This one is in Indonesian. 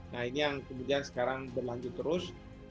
nah ini yang kemudian sekarang berlanjut terus